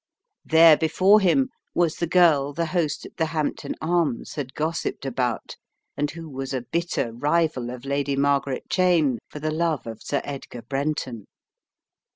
There before him was the girl the host at the Hampton Arms had gossiped about, and who was a bitter rival of Lady Margaret Cheyne for the love of Sir Edgar Brenton.